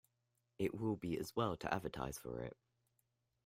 It will be as well to advertise for it.